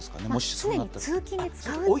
常に通勤で使う。